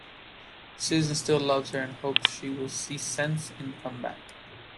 Susan still loves her and hopes she will see sense and come back.